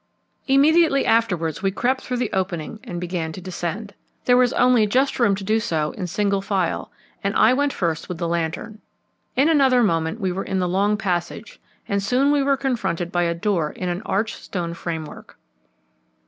Immediately afterwards we crept through the opening and began to descend. There was only just room to do so in single file, and I went first with the lantern. In another moment we were in the long passage, and soon we were confronted by a door in an arched stone framework.